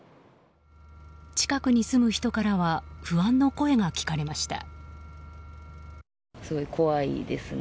近くに住む人からは不安の声が聞かれました。